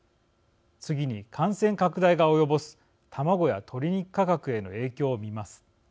次に、感染拡大が及ぼす卵や鶏肉価格への影響を見ます。